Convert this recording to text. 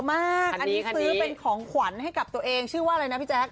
อันนี้ซื้อเป็นของขวัญให้กับตัวเองชื่อว่าอะไรนะพี่แจ๊ค